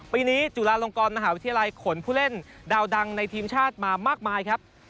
ปีนี้จุฬาลงกรมหาวิทยาลัยขนผู้เล่นดาวดังในทีมชาติมามากมายครับ